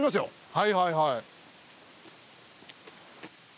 はいはいはい。